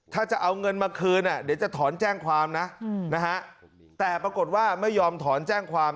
ถ้าจะเอาเงินมาคืนเดี๋ยวจะถอนแจ้งความนะนะฮะแต่ปรากฏว่าไม่ยอมถอนแจ้งความ